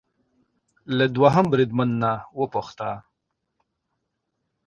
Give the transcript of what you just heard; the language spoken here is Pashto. له دوهم بریدمن نه وپوښته